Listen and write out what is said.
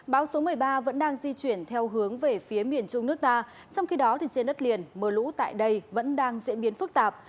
bão số một mươi ba vẫn đang di chuyển theo hướng về phía miền trung nước ta trong khi đó trên đất liền mưa lũ tại đây vẫn đang diễn biến phức tạp